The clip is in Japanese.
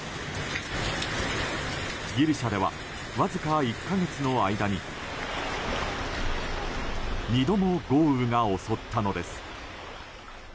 ギリシャではわずか１か月の間に２度も豪雨が襲ったのです。